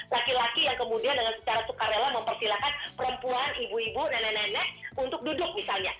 laki laki yang kemudian dengan secara sukarela mempersilahkan perempuan ibu ibu nenek nenek untuk duduk misalnya